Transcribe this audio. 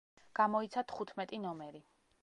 გამოიცა თხუთმეტი ნომერი.